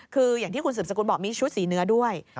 คืออย่างที่คุณสืบสกุลบอกมีชุดสีเนื้อด้วย